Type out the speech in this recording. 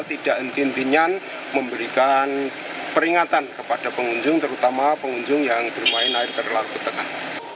tidak henti hentinyan memberikan peringatan kepada pengunjung terutama pengunjung yang bermain air terlalu ke tengah